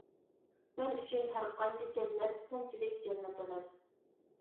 مەن ئۈچۈن ھەرقانچە جەننەت، سەنچىلىك جەننەت ئەمەس.